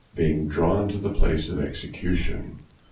Being drawn to the place of Execution.